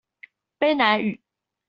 卑南語